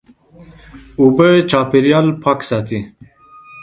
اوبه د چاپېریال پاک ساتي.